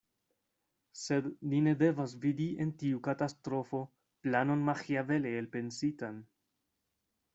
Sed ni ne devas vidi en tiu katastrofo planon maĥiavele elpensitan.